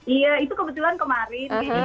iya itu kebetulan kemarin